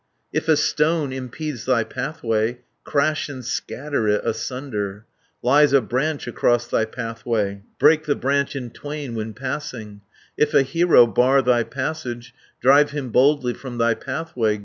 If a stone impedes thy pathway, Crash and scatter it asunder; 470 Lies a branch across thy pathway, Break the branch in twain when passing; If a hero bar thy passage, Drive him boldly from thy pathway.